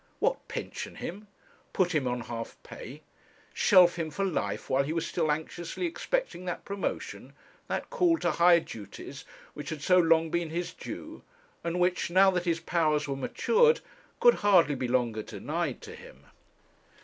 What, pension him! put him on half pay shelf him for life, while he was still anxiously expecting that promotion, that call to higher duties which had so long been his due, and which, now that his powers were matured, could hardly be longer denied to him!